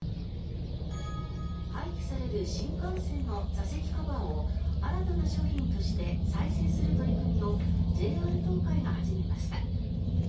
廃棄される新幹線の座席カバーを新たな商品として再生する取り組みをＪＲ東海が始めました。